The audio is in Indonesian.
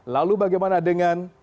lalu bagaimana dengan